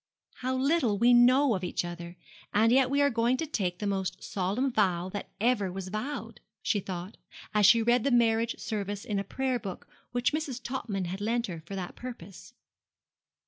'How little we know of each other, and yet we are going to take the most solemn vow that ever was vowed,' she thought, as she read the marriage service in a Prayer book which Mrs. Topman had lent her for that purpose.